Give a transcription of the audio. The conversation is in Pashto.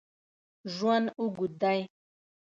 ژوند اوږد دی